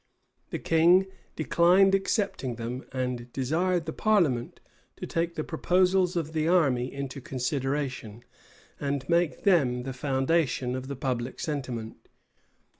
The king declined accepting them, and desired the parliament to take the proposals of the army into consideration, and make them the foundation of the public sentiment.